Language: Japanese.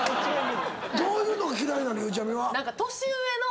どういうのが嫌いなの？